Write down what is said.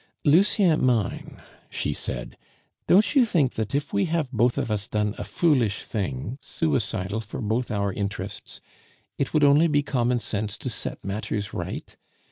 "Lucien mine," she said, "don't you think that if we have both of us done a foolish thing, suicidal for both our interests, it would only be common sense to set matters right?